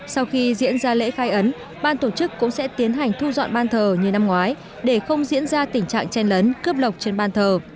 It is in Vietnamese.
sau khi diễn ra lễ khai ấn ban tổ chức cũng sẽ tiến hành thu dọn ban thờ như năm ngoái để không diễn ra tình trạng chen lấn cướp lọc trên ban thờ